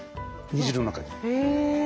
煮汁の中に。